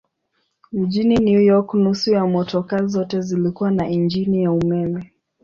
Mjini New York nusu ya motokaa zote zilikuwa na injini ya umeme.